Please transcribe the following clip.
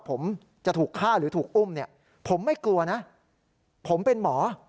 ผมจะถูกฆ่าหรือถูกอุ้มเนี่ยผมไม่กลัวนะผมเป็นหมอ